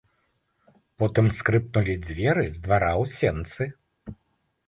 Потым скрыпнулі дзверы з двара ў сенцы.